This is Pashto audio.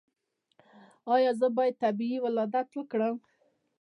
ایا زه باید طبیعي ولادت وکړم؟